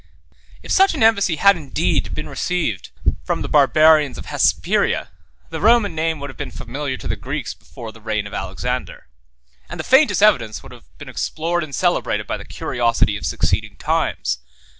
If such an embassy had indeed been received from the Barbarians of Hesperia, the Roman name would have been familiar to the Greeks before the reign of Alexander; 18 and the faintest evidence would have been explored and celebrated by the curiosity of succeeding times.